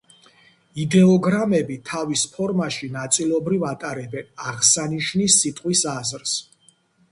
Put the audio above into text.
იდეოგრამები თავის ფორმაში ნაწილობრივ ატარებენ აღსანიშნი სიტყვის აზრს.